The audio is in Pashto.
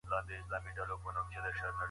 تاسي هغه ځړوی .